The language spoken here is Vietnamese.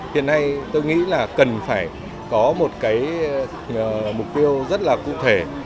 hiện nay tôi nghĩ là cần phải có một cái mục tiêu rất là cụ thể